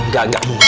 gak gak mungkin